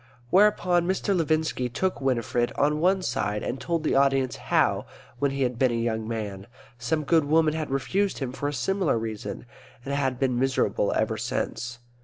Whereupon Mr. Levinski took Winifred on one side and told the audience how, when he had been a young man, some good woman had refused him for a similar reason and had been miserable ever since.